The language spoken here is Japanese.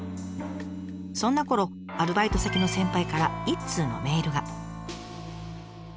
そんなころアルバイト先の先輩から一通のメールが。